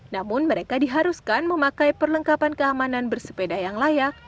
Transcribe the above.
namun mereka diharuskan memakai perlengkapan keamanan bersepeda yang layak